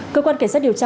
cơ quan cảnh sát điều tra